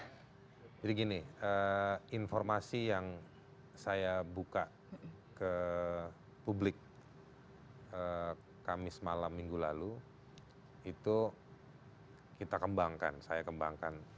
jadi gini informasi yang saya buka ke publik kamis malam minggu lalu itu kita kembangkan saya kembangkan